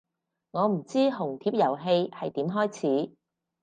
我唔知紅帖遊戲係點開始